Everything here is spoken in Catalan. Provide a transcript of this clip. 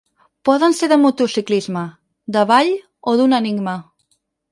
Poden ser de motociclisme, de ball o d'un enigma.